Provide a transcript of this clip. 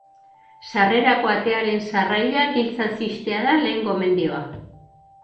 Sarrerako atearen sarraila giltzaz ixtea da lehen gomendioa.